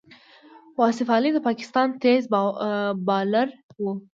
واصف علي د پاکستان تېز بالر وو.